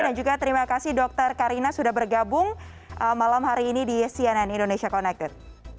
dan juga terima kasih dr karina sudah bergabung malam hari ini di cnn indonesia connected